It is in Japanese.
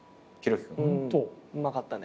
うまかったね。